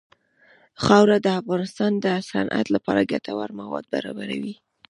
خاوره د افغانستان د صنعت لپاره ګټور مواد برابروي.